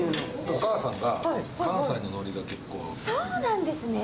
お母さんが、関西ののりが結そうなんですね。